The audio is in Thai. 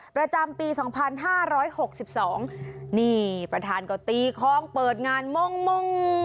ประจำปีสองพันห้าร้อยหกสิบสองนี่ประธานเกาะตีคล้องเปิดงานม่วงม่วง